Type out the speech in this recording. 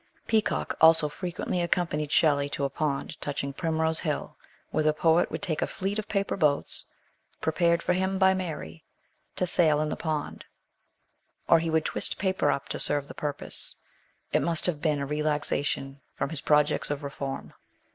Peacock also frequently accompanied Shelley to a pond touching Primrose Hill, where the poet would take a fleet of paper boats, prepared for him by Mary, to sail in the pond, or he would twist paper up to serve the pur pose it must have been a relaxation from his projects of Reform.